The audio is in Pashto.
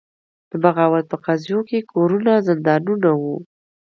د بغاوت په قضیو کې کورونه زندانونه وو.